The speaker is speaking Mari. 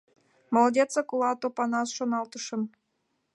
«Молодецак улат, Опанас! — шоналтышым.